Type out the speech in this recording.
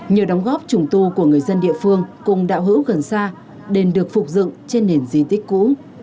nhờ đóng góp trùng tu của người dân địa phương cùng đạo hữu gần xa đền được phục dựng trên nền di tích cũ